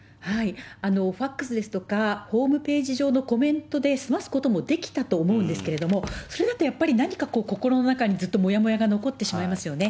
ファックスですとか、ホームページ上のコメントで済ますこともできたと思うんですけれども、それだとやっぱり何か心の中にずっともやもやが残ってしまいますよね。